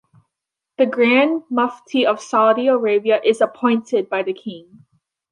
The Grand Mufti of Saudi Arabia is appointed by the King.